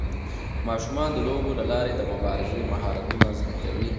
ماشومان د لوبو له لارې د مبارزې مهارتونه زده کوي.